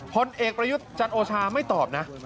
ผลเอกประยุทธ์จันโอชาไม่ตอบนะ